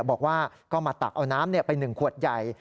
บอกว่าก็มาตักเอาน้ำไป๑ขวดใหญ่